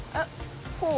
こう？